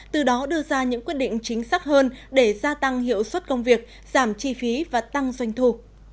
từ đó đưa ra những quyết định chính xác hơn để gia tăng hiệu suất công việc giảm chi phí và tăng doanh thu